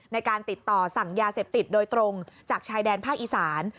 ในการติดต่อสั่งยาเสพติดโดยตรงจากชายแดนภาคอีสาน